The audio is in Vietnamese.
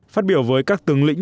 phát biểu với các tướng lĩnh